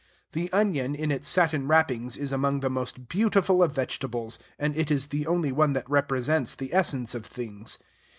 The onion in its satin wrappings is among the most beautiful of vegetables; and it is the only one that represents the essence of things.